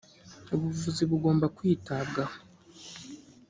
ubuvuzi bugomba kwitabwaho.